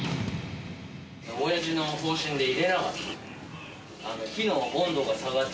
おやじの方針で入れなかった。